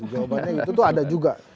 jawabannya itu ada juga